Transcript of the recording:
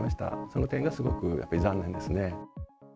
その点がすごくやっぱり残念ですね。